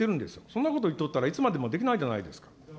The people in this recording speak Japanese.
そんなこといっとったら、いつまでもできないじゃないですか。